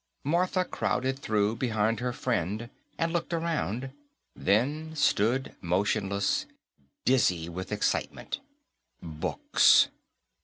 Martha crowded through behind her friend and looked around, then stood motionless, dizzy with excitement. Books.